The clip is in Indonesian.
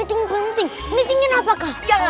ada benda yang bikin kita kayak